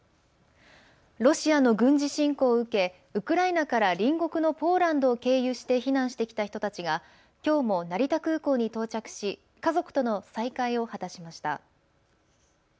ロシアの軍事侵攻を受け、ウクライナから隣国のポーランドを経由して避難してきた人たちが、きょうも成田空港に到着し、家族との再会を果たしました。